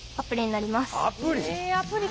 アプリ！